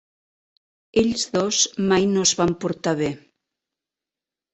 Ells dos mai no es van portar bé.